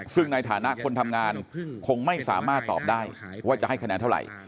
ซึ่งในฐานะคนทำงานคงไม่สามารถตอบได้ว่าจะให้คะแนนเท่าไหร่